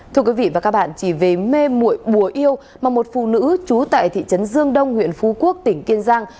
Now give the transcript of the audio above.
thưa quý vị và các bạn chỉ về mê mụi bùa yêu mà một phụ nữ trú tại thị trấn dương đông huyện phú quốc tỉnh kiên giang